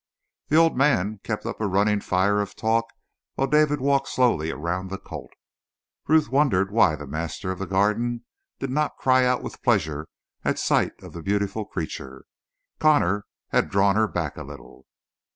The old man kept up a running fire of talk while David walked slowly around the colt. Ruth wondered why the master of the Garden did not cry out with pleasure at sight of the beautiful creature. Connor had drawn her back a little.